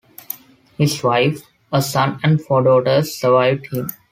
His wife, a son and four daughters survived him.